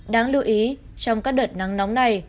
đáng lưu ý trong các đợt nắng nóng này